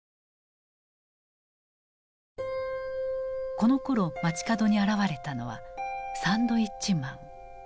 このころ街角に現れたのはサンドイッチマン。